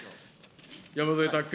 山添拓君。